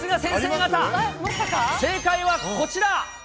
正解はこちら。